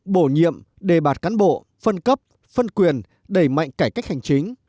bổ nhiệm đề bạt cán bộ phân cấp phân quyền đẩy mạnh cải cách hành chính